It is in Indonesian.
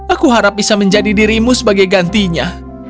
aku harap bisa menjadi dirimu sebagai gantinya